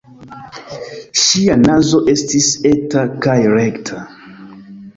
Ŝia nazo estis eta kaj rekta.